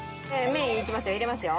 麺いきますよ。